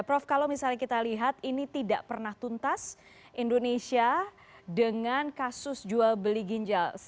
prof kalau misalnya kita lihat ini tidak pernah tuntas indonesia dengan kasus jual beli ginjal